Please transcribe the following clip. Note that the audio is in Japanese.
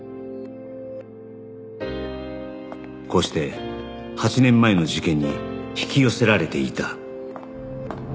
こうして８年前の事件に引き寄せられていた